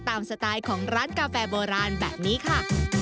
สไตล์ของร้านกาแฟโบราณแบบนี้ค่ะ